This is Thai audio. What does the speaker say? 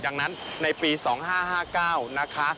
ดังนั้นในปี๒๕๕๙นะคะ